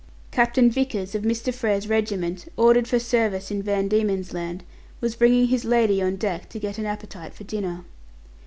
Captain Vickers, of Mr. Frere's regiment, ordered for service in Van Diemen's Land, was bringing his lady on deck to get an appetite for dinner.